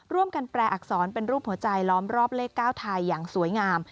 แปลอักษรเป็นรูปหัวใจล้อมรอบเลข๙ไทยอย่างสวยงาม